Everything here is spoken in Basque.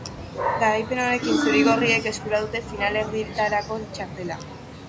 Garaipen honekin, zuri-gorriek eskura dute finalerdietarako txartela.